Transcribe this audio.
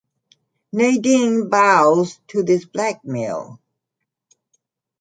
Nadine bows to this blackmail.